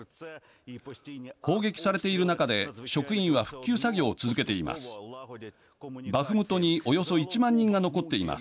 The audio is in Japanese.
砲撃されている中で職員は復旧作業を続けています。